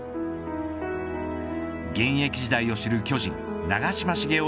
現役時代を知る巨人長嶋茂雄